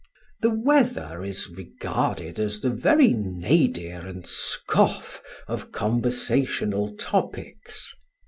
The weather is regarded as the very nadir and scoff of conversational topics.